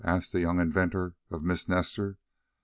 asked the young inventor, of Miss Nestor.